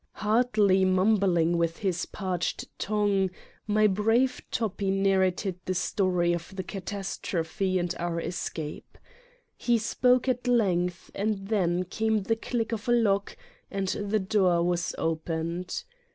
Hardly mumbling with his parched tongue, my brave Toppi narrated the story of the catastrophe and our escape. He spoke at length and then came the click of a lock and the door was opened.